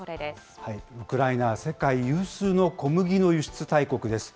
ウクライナは世界有数の小麦の輸出大国です。